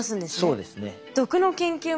そうですね。